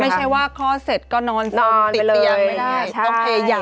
ไม่ใช่ว่าคลอดเสร็จก็นอนติดเตียงไม่ได้ต้องพยายาม